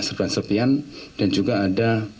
serpihan serpihan dan juga ada